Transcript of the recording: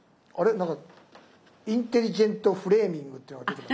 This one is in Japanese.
なんかインテリジェントフレーミングっていうのが出てきます。